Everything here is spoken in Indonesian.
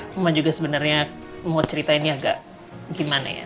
cuma juga sebenarnya mau cerita ini agak gimana ya